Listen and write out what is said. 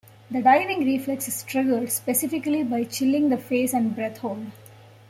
The diving reflex is triggered specifically by chilling the face and breath-hold.